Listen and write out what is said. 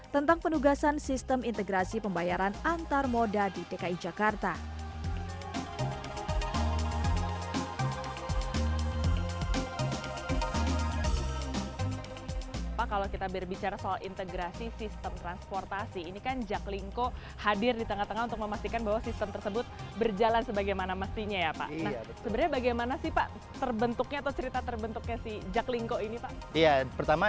tentang penugasan sistem integrasi pembayaran antarmoda